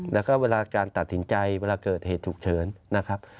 แล้วก็เวลาการตัดสินใจเวลาเกิดเหตุฉุกเฉินนะครับ